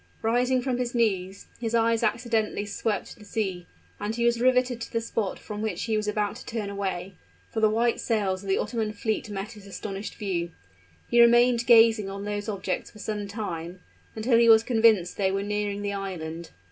Rising from his knees, his eyes accidentally swept the sea: and he was riveted to the spot from which he was about to turn away for the white sails of the Ottoman fleet met his astonished view. He remained gazing on those objects for some time, until he was convinced they were nearing the island.